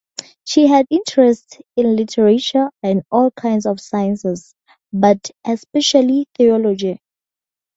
She had interests in literature and all kinds of sciences, but especially theology.